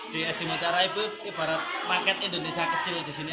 di sd mataraibu di barat paket indonesia kecil disini